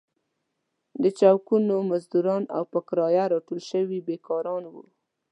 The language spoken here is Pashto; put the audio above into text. د چوکونو مزدوران او په کرايه راټول شوي بېکاران وو.